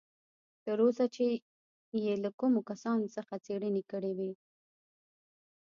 تر اوسه چې یې له کومو کسانو څخه څېړنې کړې وې.